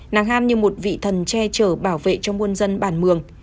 nàng han như một vị thần che chở bảo vệ cho nguồn dân bản mường